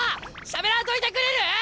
しゃべらんといてくれる！？